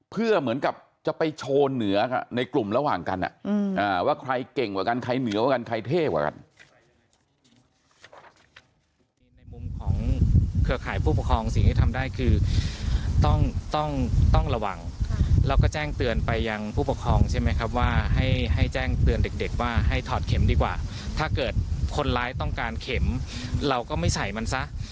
เพื่อเหมือนกับจะไปโชว์เหนือในกลุ่มระหว่างกันว่าใครเก่งกว่ากันใครเหนือกว่ากันใครเท่กว่ากัน